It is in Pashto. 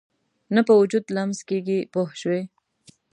نه په وجود لمس کېږي پوه شوې!.